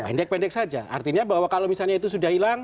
pendek pendek saja artinya bahwa kalau misalnya itu sudah hilang